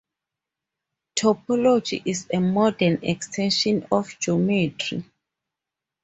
Topology is a modern extension of Geometry.